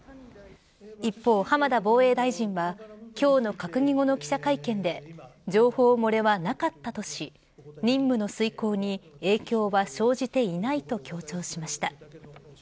一方、浜田防衛大臣は今日の閣議後の記者会見で情報漏れはなかったとし任務の遂行に影響は生じていないと強調しました。